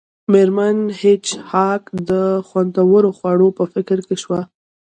میرمن هیج هاګ د خوندورو خوړو په فکر کې شوه